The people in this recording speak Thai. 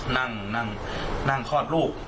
นั่งนั่งคลอดลูก